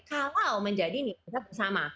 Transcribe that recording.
kalau menjadi ini kita bersama